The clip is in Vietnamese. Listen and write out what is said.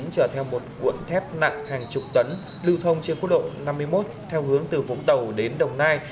trở theo một cuộn thép nặng hàng chục tấn lưu thông trên cốt lộ năm mươi một theo hướng từ vũng tàu đến đồng nai